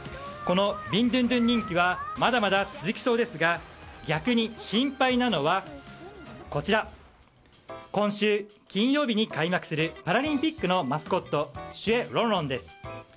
このビンドゥンドゥン人気はまだまだ続きそうですが逆に心配なのはこちら、今週金曜日に開幕するパラリンピックのマスコットシュエロンロンです。